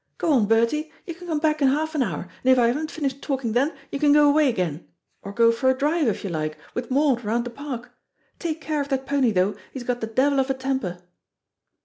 Go on, Bertie; you can come back in half an hour, and if I haven't finished talking then, you can go away again or go for a drive, if you like, with Maud round the Park. Take care of that pony, though; he's got the devil of a temper."